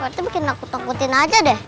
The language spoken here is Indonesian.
pak rete bikin aku takutin aja deh